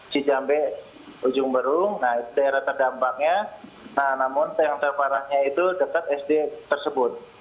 cicampe ujung baru nah itu daerah terdampaknya nah namun yang terparahnya itu dekat sd tersebut